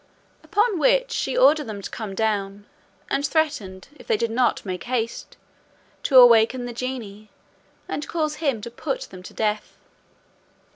Upon which she ordered them to come down, and threatened if they did not make haste, to awaken the genie, and cause him to put them to death.